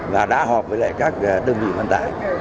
và đã họp với lại các đơn vị vận tải